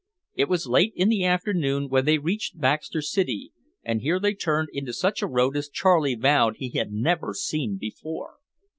It was late in the afternoon when they reached Baxter City and here they turned into such a road as Charlie vowed he had never seen before.